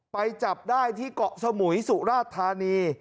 ไปจับได้ที่เกาะสมุยสุราชธานี